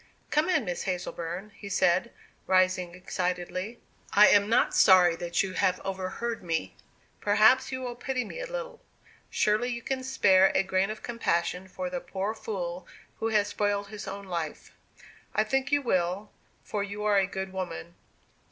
"Come in, Miss Hazleburn," he said, rising excitedly; "I am not sorry that you have overheard me. Perhaps you will pity me a little. Surely you can spare a grain of compassion for the poor fool who has spoiled his own life! I think you will, for you are a good woman.